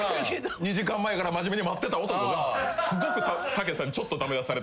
２時間前から真面目に待ってた男がたけしさんにちょっと駄目だしされてて。